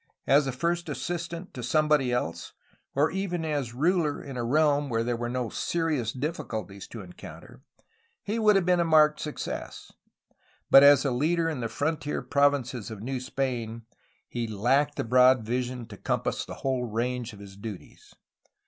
As a first assistant to somebody else, or even as ruler in a realm where there were no serious difficulties to encounter, he would have been a marked success, but as a leader in the frontier provinces of New Spain he lacked the broad vision to compass the whole range of his duties.